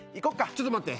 ちょっと待って。